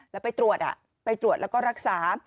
แล้วไปตรวจไปตรวจแล้วก็รักษา